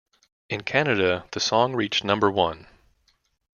In Canada, the song reached number one.